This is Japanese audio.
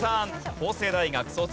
法政大学卒。